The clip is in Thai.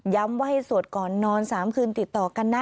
ว่าให้สวดก่อนนอน๓คืนติดต่อกันนะ